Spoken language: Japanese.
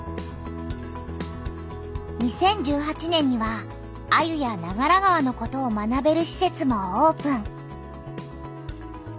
２０１８年にはアユや長良川のことを学べるしせつもオープン！